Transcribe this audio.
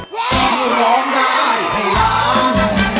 มือร้องได้ให้ร้าน